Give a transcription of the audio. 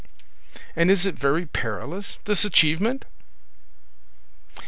"And is it very perilous, this achievement?"